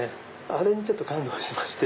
あれに感動しまして。